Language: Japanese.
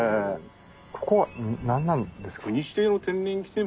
ここは何なんですか？